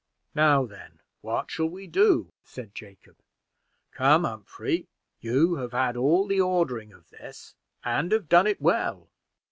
"Now, then, what shall we do?" said Jacob. "Come, Humphrey, you have had all the ordering of this, and have done it well."